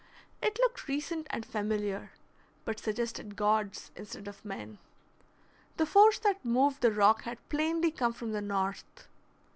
It looked recent and familiar, but suggested gods instead of men. The force that moved the rock had plainly come from the north.